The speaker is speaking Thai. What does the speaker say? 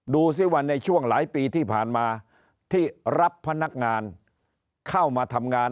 ดูสิว่าในช่วงหลายปีที่ผ่านมาที่รับพนักงานเข้ามาทำงาน